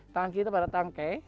tangan kita pada tangkai